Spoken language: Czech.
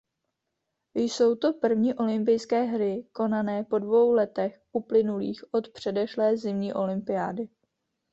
Jsou to první olympijské hry konané po dvou letech uplynulých od předešlé zimní olympiády.